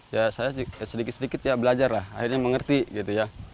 ya saya sedikit sedikit ya belajar lah akhirnya mengerti gitu ya